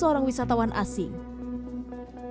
seorang pria dengan pakaian serba putih terlibat dengan kata